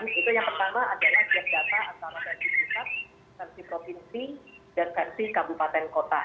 itu yang pertama adalah jak data antara versi pusat versi provinsi dan versi kabupaten kota